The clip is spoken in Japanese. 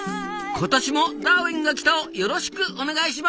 今年も「ダーウィンが来た！」をよろしくお願いしますぞ！